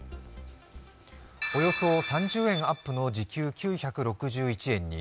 およそ３０円アップの時給９６１円に。